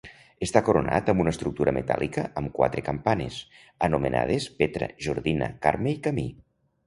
Està coronat amb una estructura metàl·lica amb quatre campanes, anomenades Petra, Jordina, Carme i Camí.